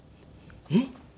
「えっ？